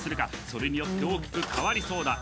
それによって大きく変わりそうだ